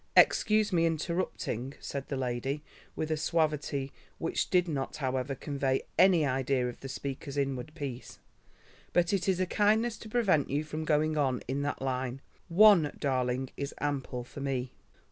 "Excuse me interrupting you," said the lady, with a suavity which did not however convey any idea of the speaker's inward peace, "but it is a kindness to prevent you from going on in that line. One darling is ample for me."